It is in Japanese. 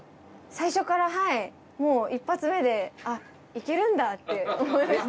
最初からはいもう一発目であっいけるんだって思いました。